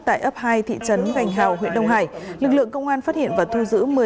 tại ấp hai thị trấn gành hào huyện đông hải lực lượng công an phát hiện và thu giữ